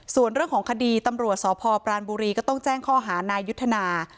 ส่วนเรื่องของคดีตำรวจสพปรานบุรีก็ต้องแจ้งข้อหานายยุทธนา